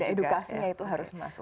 edukasinya itu harus masuk